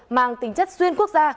mang tính chất xuyên quốc gia